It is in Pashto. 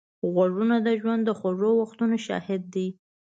غوږونه د ژوند د خوږو وختونو شاهد دي